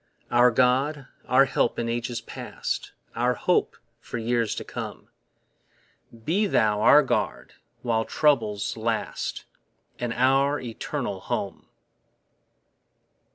Our God, our help in ages past, Our hope for years to come, Be thou our guard while troubles last And our eternal home.